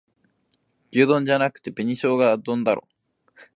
牛丼じゃなくて紅しょうが丼だろ